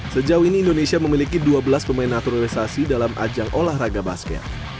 sejauh ini indonesia memiliki dua belas pemain naturalisasi dalam ajang olahraga basket